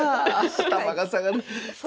頭が下がる！